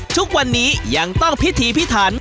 ทุกวันนี้ยังต้องพิธีพิถัน